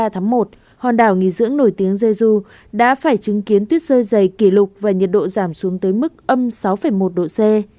hai mươi tháng một hòn đảo nghỉ dưỡng nổi tiếng jeju đã phải chứng kiến tuyết rơi dày kỷ lục và nhiệt độ giảm xuống tới mức âm sáu một độ c